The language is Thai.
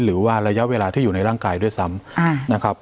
หรือว่าระยะเวลาที่อยู่ในร่างกายด้วยซ้ำนะครับ